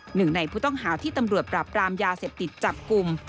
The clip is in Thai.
หนึ่งในผู้ต้องหาที่ตำรวจปราบปรามยาเสพติดจับกลุ่ม